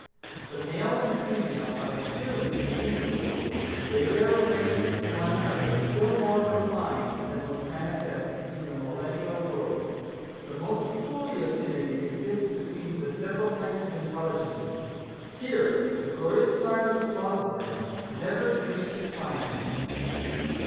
The male and female are clearly distinguishable, and they bear relations one to another still more refined than was manifest in the Millennial World. The most holy affinity exists between the several types of intelligences. Here the glorious fires of love burn never to reach a climax.